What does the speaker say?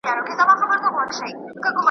هر ناحق ته حق ویل دوی ته آسان وه .